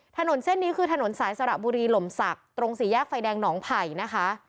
ถนนเส้นนี้คือถนนสายสระบุรีหล่มศักดิ์ตรงสี่แยกไฟแดงหนองไผ่นะคะ